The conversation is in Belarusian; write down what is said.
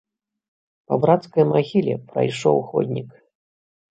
Па брацкай магіле прайшоў ходнік.